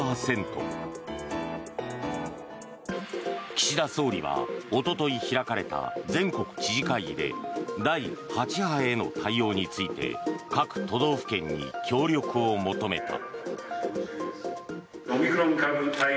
岸田総理はおととい開かれた全国知事会議で第８波への対応について各都道府県に協力を求めた。